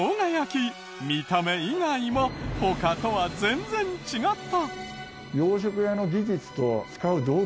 見た目以外も他とは全然違った！